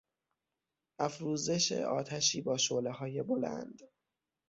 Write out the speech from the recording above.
افروزش آتشی با شعلههای بلند